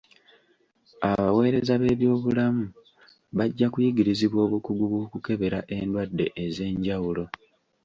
Abaweereza b'ebyobulamu bajja kuyigirizibwa obukugu bw'okukebera endwadde ez'enjawulo.